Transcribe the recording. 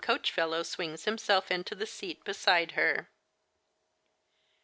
coach fellow swings himself into the seat beside her.